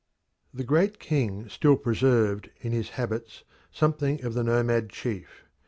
The Great King still preserved in his habits something of the nomad chief.